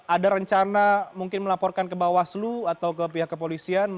ada rencana mungkin melaporkan ke bawaslu atau ke pihak kepolisian